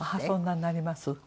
そんなになります？